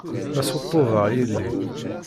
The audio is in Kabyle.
La ssuṭṭuḍeɣ yelli.